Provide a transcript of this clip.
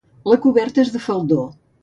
La coberta és de faldó.